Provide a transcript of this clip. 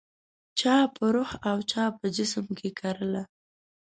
چا په روح او چا په جسم کې کرله